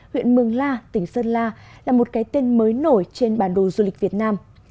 huyện mường la tỉnh sơn la là một cái tên mới nổi trên bản đồ du lịch việt nam